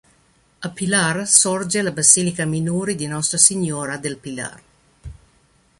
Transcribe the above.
A Pilar sorge la basilica minore di Nostra Signora del Pilar.